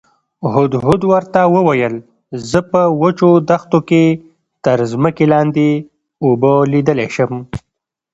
هدهد ورته وویل زه په وچو دښتو کې تر ځمکې لاندې اوبه لیدلی شم.